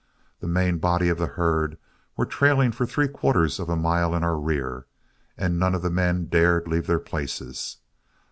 The main body of the herd were trailing for three quarters of a mile in our rear, and none of the men dared leave their places.